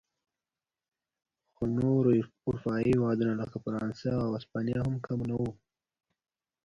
خو نور اروپايي هېوادونه لکه فرانسه او هسپانیا هم کم نه و.